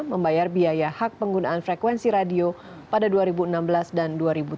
membayar biaya hak penggunaan frekuensi radio pada dua ribu enam belas dan dua ribu tujuh belas